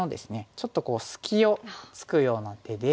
ちょっと隙をつくような手で。